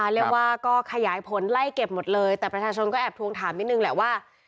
เรียกว่าก็ขยายผลไล่เก็บหมดเลยแต่ประชาชนก็แอบทวงถามนิดนึงแหละว่า